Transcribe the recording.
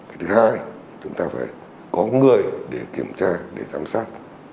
cái thứ hai chúng ta phải có người để kiểm tra để giám sát